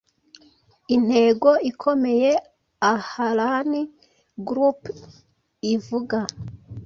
Intego ikomeye Ahlan group ivuga